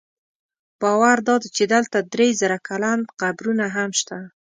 باور دا دی چې دلته درې زره کلن قبرونه هم شته.